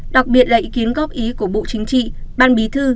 đặc biệt là ý kiến góp ý của bộ chính trị ban bí thư